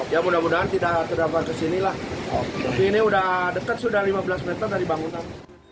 ya mudah mudahan tidak terdapat kesinilah tapi ini sudah dekat sudah lima belas meter dari bangunan